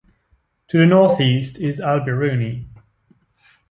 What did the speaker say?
To the northeast is Al-Biruni.